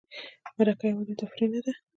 مرکه یوازې تفریح نه ده.